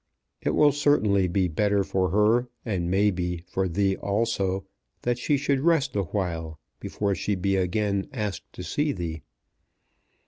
It will certainly be better for her and, may be, for thee also that she should rest awhile before she be again asked to see thee.